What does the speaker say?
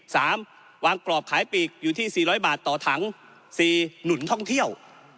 วางกรอบขายปีกอยู่ที่สี่ร้อยบาทต่อถังสี่หนุนท่องเที่ยว